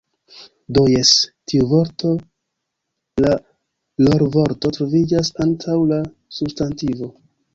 Do jes. Tiu vorto, la rolvorto troviĝas antaŭ la substantivo